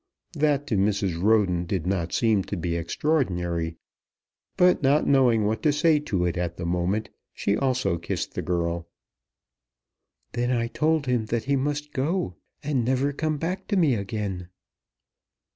That to Mrs. Roden did not seem to be extraordinary; but, not knowing what to say to it at the moment, she also kissed the girl. "Then I told him that he must go, and never come back to me again."